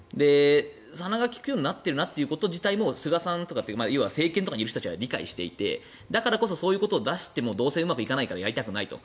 鼻が利くようになっているなということ自体も菅さんとかという政権にいる人たちが理解していてだからこそそういうことを出してもうまくいかないからやりたくないと。